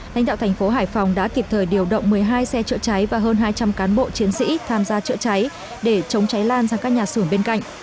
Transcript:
lãnh đạo thành phố hải phòng đã kịp thời điều động một mươi hai xe chữa cháy và hơn hai trăm linh cán bộ chiến sĩ tham gia chữa cháy để chống cháy lan sang các nhà sưởng bên cạnh